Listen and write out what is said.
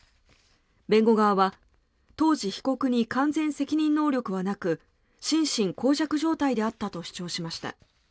弁護側は当時、被告に完全責任能力はなく心神耗弱状態であったと主張しました。